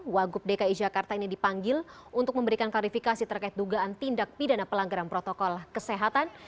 wagub dki jakarta ini dipanggil untuk memberikan klarifikasi terkait dugaan tindak pidana pelanggaran protokol kesehatan